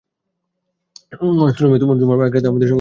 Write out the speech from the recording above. শোন মেয়ে, তোমার বাবা এক রাতে আমার সঙ্গে গল্প করতে এসেছিলেন।